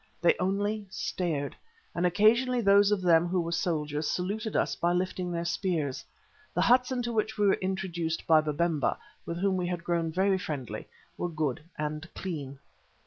They only stared, and occasionally those of them who were soldiers saluted us by lifting their spears. The huts into which we were introduced by Babemba, with whom we had grown very friendly, were good and clean.